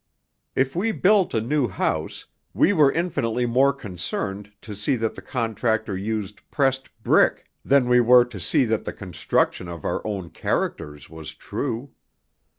If we built a new house, we were infinitely more concerned to see that the contractor used pressed brick than we were to see that the construction of our own characters was true.